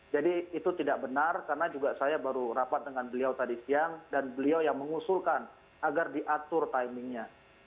jadi itu tidak benar karena juga saya baru rapat dengan beliau tadi siang dan beliau yang mengusulkan agar diatur timingnya